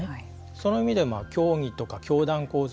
その意味で教義とか教団構造